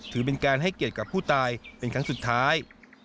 ถือเป็นการให้เกียรติกับผู้ตายเป็นครั้งสุดท้าย